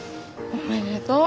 おめでとう。